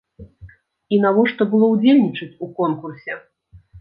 І навошта было ўдзельнічаць у конкурсе?